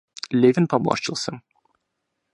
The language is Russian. Левин поморщился.